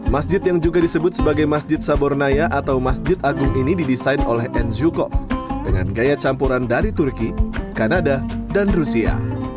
masjid yang juga disebut sebagai masjid sabornaya atau masjid agung ini didesain oleh enzukov dengan gaya campuran dari turki kanada dan rusia